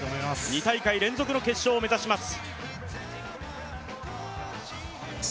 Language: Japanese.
２大会連続の決勝を目指します。